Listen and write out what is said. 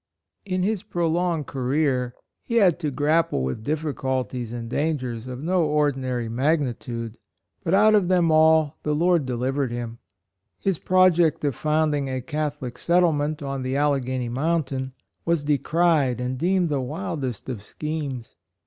In his prolonged career, he had to grapple with difficulties and dan gers of no ordinary magnitude, but " out of them all the Lord deliv ered him." His project of found ing a Catholic settlement on the Alleghany mountain was decried and deemed the wildest of schemes.